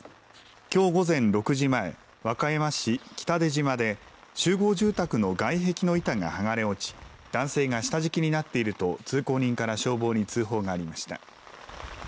きょう午前６時前、和歌山市北出島で集合住宅の外壁の板が剥がれ落ち、男性が下敷きになっていると、通行人から消防に通報がありました。